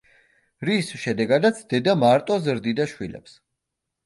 რის შემდეგაც დედა მარტო ზრდიდა შვილებს.